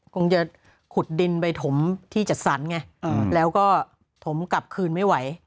คงจะขุดดินไปถมที่จัดสรรไงแล้วก็ถมกลับคืนไม่ไหว